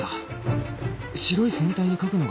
白い船体に書くのが怖い